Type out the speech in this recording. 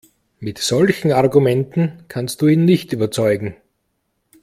Mit solchen Argumenten kannst du ihn nicht überzeugen.